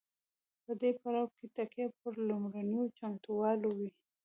په دې پړاو کې تکیه پر لومړنیو چمتووالو وي.